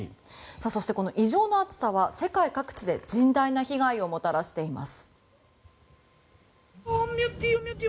そして、異常な暑さは世界各地で甚大な被害をもたらしています。